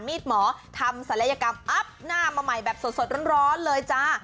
มีดหมอทำศัลยกรรมอัพหน้ามาใหม่แบบสดร้อนเลยจ้า